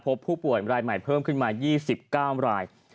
พบผู้ป่วยรายใหม่เพิ่มขึ้นมา๒๙ราย